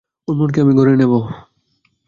ওর মনকে আমি গড়ে নেব।